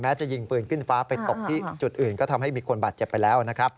จะยิงปืนขึ้นฟ้าไปตกที่จุดอื่นก็ทำให้มีคนบาดเจ็บไปแล้วนะครับ